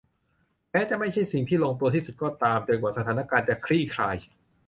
แม้จะไม่ใช่สิ่งที่ลงตัวที่สุดก็ตามจนกว่าสถานการณ์จะคลี่คลาย